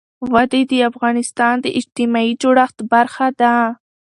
وادي د افغانستان د اجتماعي جوړښت برخه ده.